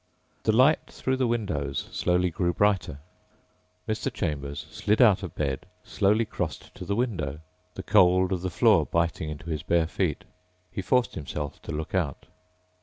The light through the windows slowly grew brighter. Mr. Chambers slid out of bed, slowly crossed to the window, the cold of the floor biting into his bare feet. He forced himself to look out.